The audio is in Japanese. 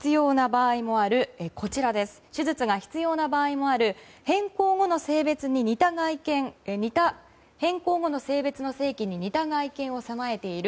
手術が必要な場合もある変更後の性別の性器に似た外見を備えている。